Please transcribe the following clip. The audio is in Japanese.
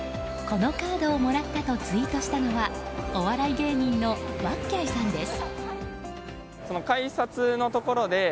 このカードをもらったとツイートしたのはお笑い芸人のわっきゃいさんです。